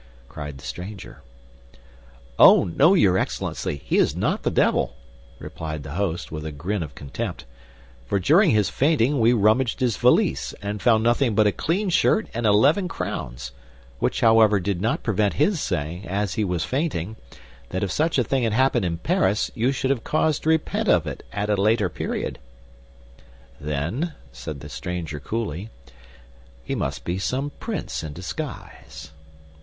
cried the stranger. "Oh, no, your Excellency, he is not the devil," replied the host, with a grin of contempt; "for during his fainting we rummaged his valise and found nothing but a clean shirt and eleven crowns—which however, did not prevent his saying, as he was fainting, that if such a thing had happened in Paris, you should have cause to repent of it at a later period." "Then," said the stranger coolly, "he must be some prince in disguise."